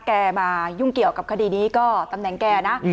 มายุ่งเกี่ยวกับคดีนี้ก็ตำแหน่งแกนะ